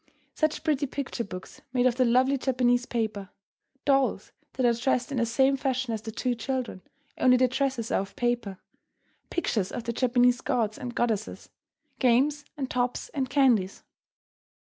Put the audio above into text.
Such pretty picture books made of the lovely Japanese paper! Dolls that are dressed in the same fashion as the two children, only the dresses are of paper; pictures of the Japanese gods and goddesses; games and tops and candies.